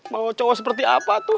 mau coba seperti apa tuh